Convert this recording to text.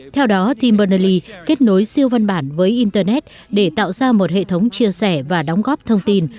theo đó tim bernally kết nối siêu văn bản với internet để tạo ra một hệ thống chia sẻ và đóng góp thông tin